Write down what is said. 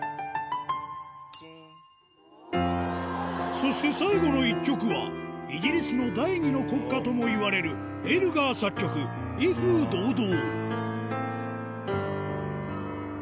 そして最後の一曲は、イギリスの第２の国歌ともいわれるエルガー作曲、威風堂々。